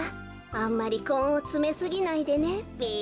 あんまりこんをつめすぎないでねべ。